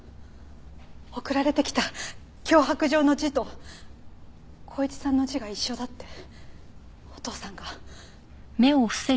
送られてきた脅迫状の字と公一さんの字が一緒だってお父さんが。